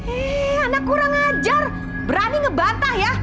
eh anak kurang ajar berani ngebantah ya